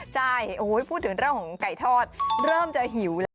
ใช่พูดถึงเรื่องของไก่ทอดเริ่มจะหิวแล้ว